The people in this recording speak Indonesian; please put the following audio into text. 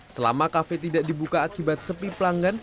selama kafe tidak dibuka akibat sepi pelanggan